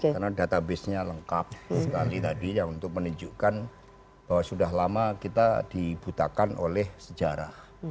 karena database nya lengkap sekali tadi untuk menunjukkan bahwa sudah lama kita dibutakan oleh sejarah